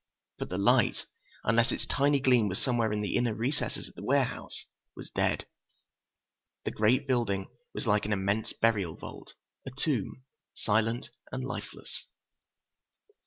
But the light, unless its tiny gleam was somewhere in the inner recesses of the warehouse, was dead. The great building was like an immense burial vault, a tomb—silent and lifeless.